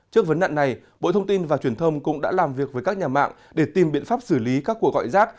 trước vấn nạn này bộ thông tin và truyền thông cũng đã làm việc với các nhà mạng để tìm biện pháp xử lý các cuộc gọi rác